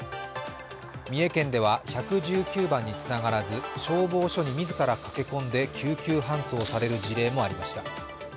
三重県では１１９番につながらず消防署に自ら駆け込んで救急搬送される事例もありました。